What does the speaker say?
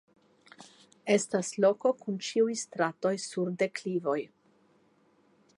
Estas loko kun ĉiuj stratoj sur deklivoj.